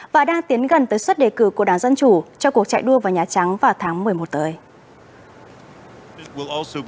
và đang tiến gần tới suất đề cử của đảng dân chủ cho cuộc chạy đua vào nhà trắng vào tháng một mươi một tới